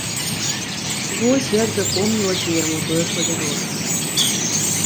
Вось як запомнілася яму тое падарожжа.